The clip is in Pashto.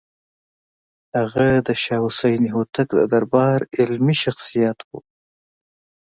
هغه د شاه حسین هوتک د دربار علمي شخصیت و.